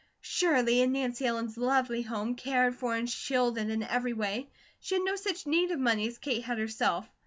Surely in Nancy Ellen's lovely home, cared for and shielded in every way, she had no such need of money as Kate had herself.